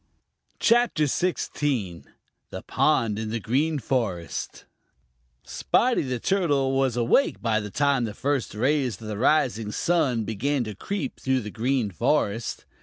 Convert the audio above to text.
CHAPTER XVI: The Pond In The Green Forest SPOTTY THE TURTLE was awake by the time the first rays of the rising sun began to creep through the Green Forest.